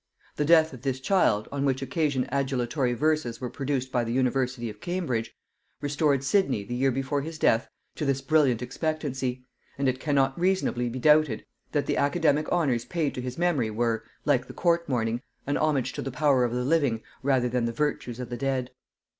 The death of this child, on which occasion adulatory verses were produced by the university of Cambridge, restored Sidney, the year before his death, to this brilliant expectancy; and it cannot reasonably be doubted, that the academic honors paid to his memory were, like the court mourning, a homage to the power of the living rather than the virtues of the dead.